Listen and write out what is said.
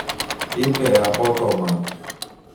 είπε απότομα.